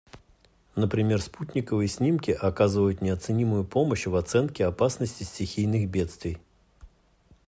Например, спутниковые снимки оказывают неоценимую помощь в оценке опасности стихийных бедствий.